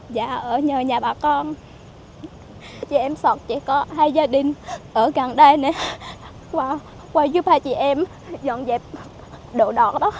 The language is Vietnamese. dạ ở nhờ nhà bà con chị em sọc chỉ có hai gia đình ở gần đây này qua giúp hai chị em dọn dẹp đồ đỏ đó